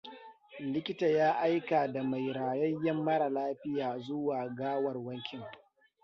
Likita ya aika da mai rayayyen mara lafiya zuwa gawarwakin.